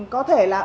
có thể là